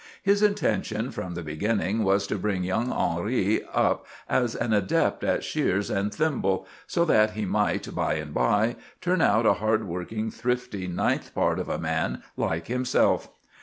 His intention from the beginning was to bring young Henri up as an adept at shears and thimble, so that he might by and by turn out a hard working, thrifty ninth part of a man, like himself.